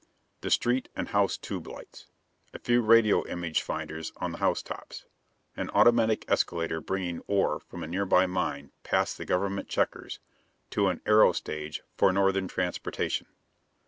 The street and house tube lights. A few radio image finders on the house tops. An automatic escalator bringing ore from a nearby mine past the government checkers to an aero stage for northern transportation.